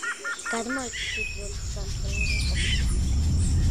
გადმოცემით იგი ოთხსართულიანი ყოფილა.